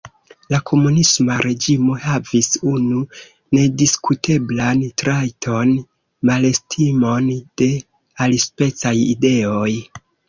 La komunisma reĝimo havis unu nediskuteblan trajton: malestimon de alispecaj ideoj.